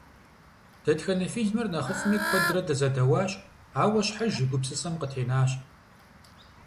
Дэтхэнэ фильмыр нэхъыфӀми куэдрэ дызэдэуащ, ауэ щхьэж и гупсысэм къытенащ.